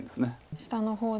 下の方で。